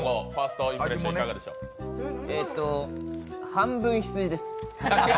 半分羊です。